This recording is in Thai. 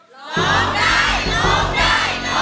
ร้องได้ร้องได้ร้องได้ร้องได้